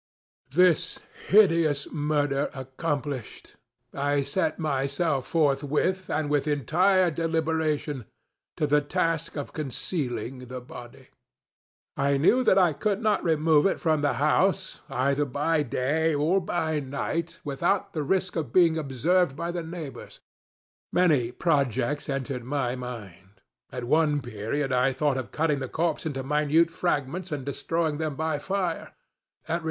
This hideous murder accomplished, I set myself forthwith, and with entire deliberation, to the task of concealing the body. I knew that I could not remove it from the house, either by day or by night, without the risk of being observed by the neighbors. Many projects entered my mind. At one period I thought of cutting the corpse into minute fragments, and destroying them by fire.